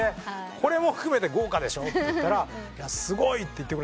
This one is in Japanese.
「これも含めて豪華でしょ」って言ったら「すごい」って。